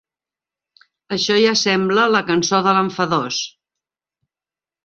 Això ja sembla la cançó de l'enfadós.